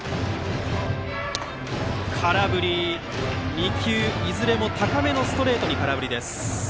２球いずれも高めのストレートに空振りです。